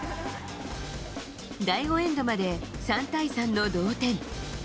第５エンドまで３対３の同点。